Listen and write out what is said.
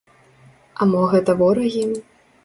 А мо гэта ворагі?